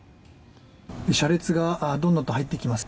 車列がどんどんと入っていきます。